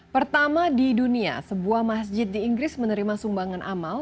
pertama di dunia sebuah masjid di inggris menerima sumbangan amal